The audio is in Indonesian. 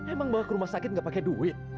emang bawa ke rumah sakit nggak pakai duit